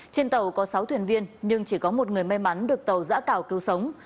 trên tàu có sáu thuyền viên nhưng chỉ có một người may mắn được tàu giã cào cứu sống